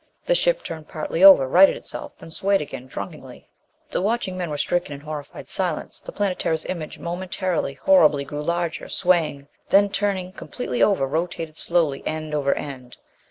The ship turned partly over. Righted itself. Then swayed again, drunkenly. The watching men were stricken in horrified silence. The Planetara's image momentarily, horribly, grew larger. Swaying. Then turning completely over, rotating slowly end over end.